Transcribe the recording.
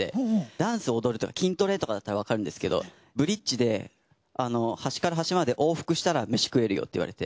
ダンス踊るとか筋トレとかだったらわかるんですけどブリッジで端から端まで往復したら飯食えるよって言われて。